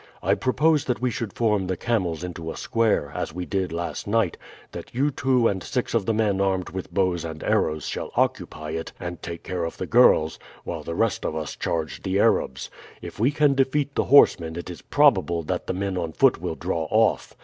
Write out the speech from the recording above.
"I propose that we should form the camels into a square, as we did last night; that you two and six of the men armed with bows and arrows shall occupy it and take care of the girls, while the rest of us charge the Arabs. If we can defeat the horsemen it is probable that the men on foot will draw off.